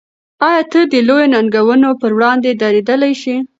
آیا ته د لویو ننګونو پر وړاندې درېدلی شې؟